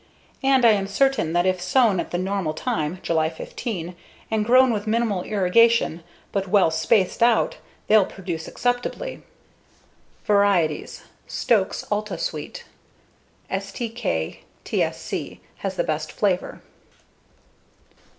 And I am certain that if sown at the normal time (July 15) and grown with minimal irrigation but well spaced out, they'll produce acceptably. Varieties: Stokes Altasweet (STK, TSC) has the best flavor.